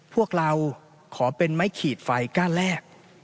พวกเราขอเป็นไม้ขีดไฟก้านแรก